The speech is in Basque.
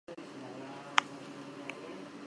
Hiru Enperadoreen Gudua ere deitu zitzaion.